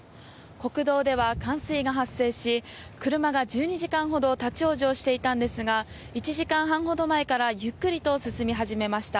国道では冠水が発生し車が１２時間ほど立ち往生していたんですが１時間半ほど前からゆっくりと進み始めました。